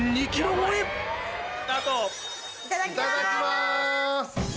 いただきます。